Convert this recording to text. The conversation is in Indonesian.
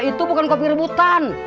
itu bukan kopi kerebutan